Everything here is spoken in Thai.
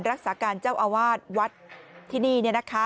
รักษาการเจ้าอาวาสวัดที่นี่